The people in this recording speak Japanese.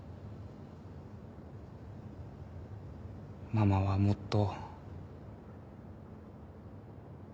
ママはもっと。